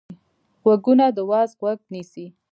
غوږونه د وعظ غوږ نیسي